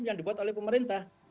yang dibuat oleh pemerintah